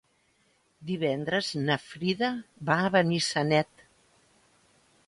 Divendres na Frida va a Benissanet.